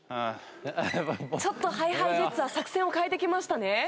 ちょっとＨｉＨｉＪｅｔｓは作戦を変えてきましたね。